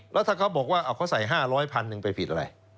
แล้วถ้าเขาบอกว่าเขาใส่๕๐๐พันหนึ่งไปผิดอะไร